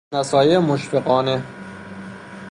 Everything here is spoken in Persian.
نصایح مشفقانه